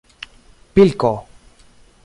pilko